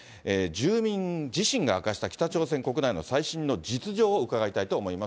住民自身が明かした北朝鮮国内の最新の実情を伺いたいと思います。